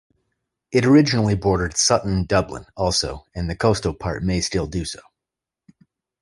It originally bordered Sutton, Dublin also, and the coastal part may still do so.